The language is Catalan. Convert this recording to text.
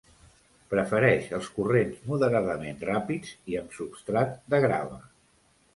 Prefereix els corrents moderadament ràpids i amb substrat de grava.